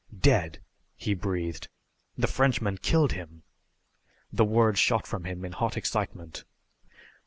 "Dead!" he breathed. "The Frenchmen killed him!" The words shot from him in hot excitement.